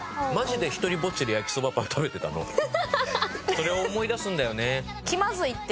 それを思い出すんだよね。